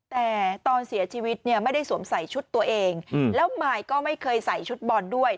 แต่ตอนเสียชีวิตเนี่ยไม่ได้สวมใส่ชุดตัวเองแล้วมายก็ไม่เคยใส่ชุดบอลด้วย